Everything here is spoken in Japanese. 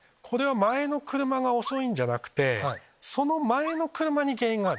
前の車が遅いんじゃなくてその前の車に原因がある。